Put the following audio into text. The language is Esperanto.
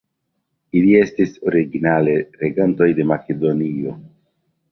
Ili estis originale regantoj de Makedonio.